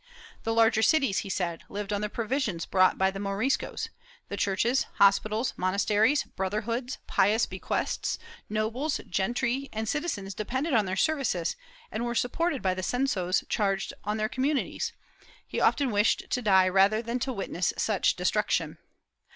The larger cities, he said, lived on the provisions brought by the Moris cos; the churches, hospitals, monasteries, brotherhoods, pious bequests, nobles, gentry and citizens depended on their services and were supported by the censos charged on their communities; he often wished to die rather than to witness such destruction.'